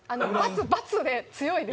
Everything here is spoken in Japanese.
罰で強いです。